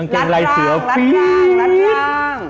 ลัดร่าง